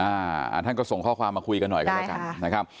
อ่าอ่าท่านก็ส่งข้อความมาคุยกันหน่อยได้ค่ะนะครับ